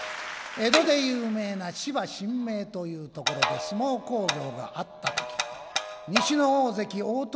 江戸で有名な芝神明というところで相撲興行があったとき西の大関鳳